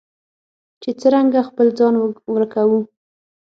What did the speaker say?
چې څرنګه خپل ځان ورکوو.